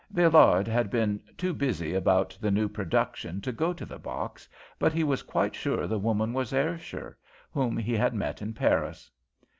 Villard had been too busy about the new production to go to the box, but he was quite sure the woman was Ayrshire, whom he had met in Paris.